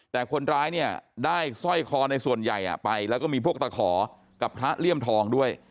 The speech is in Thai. แต่คนร้ายเนี่ยได้สร้อยคอในส่วนใหญ่ไปแล้วก็มีพวกตะขอกับพระเลี่ยมทองด้วย